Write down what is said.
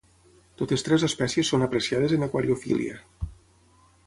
Totes tres espècies són apreciades en aquariofília.